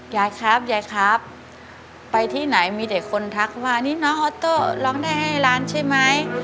ยายครับยายครับไปที่ไหนมีแต่คนทักว่านี่น้องออโต้ร้องได้ให้ล้านใช่ไหม